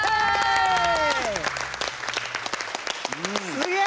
すげえ！